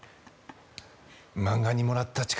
漫画にもらった力